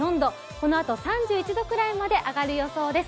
このあと３１度くらいまで上がる予想です。